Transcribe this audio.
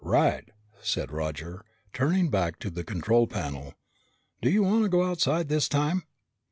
"Right," said Roger, turning back to the control panel. "Do you want to go outside this time?"